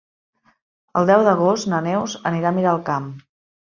El deu d'agost na Neus anirà a Miralcamp.